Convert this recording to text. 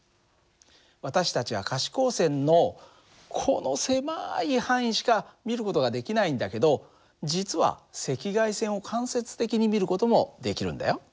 私たちは可視光線のこの狭い範囲しか見る事ができないんだけど実は赤外線を間接的に見る事もできるんだよ。